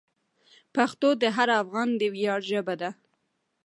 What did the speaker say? پښتو د هر افغان د ویاړ ژبه ده.